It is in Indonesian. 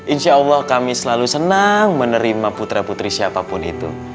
insya allah kami selalu senang menerima putra putri siapapun itu